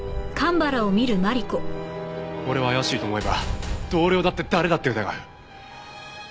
俺は怪しいと思えば同僚だって誰だって疑う。